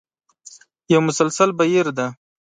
یو مسلسل بهیر دی.